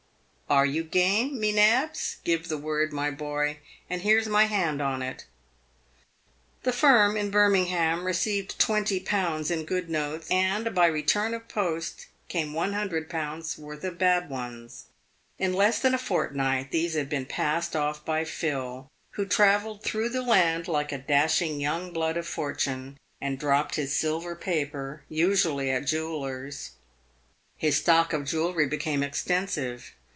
Are you game, me nabs ? Give the word, my boy, and here's my hand on it." The firm in Birmingham received twenty pounds in good notes, and by return of post came one hundred pounds' worth of bad ones. In less than a fortnight these had been passed off by Phil, who tra velled through the land like a dashing young blood of fortune, and dropped his silver paper usually at jewellers'. His stock of jewellery became extensive.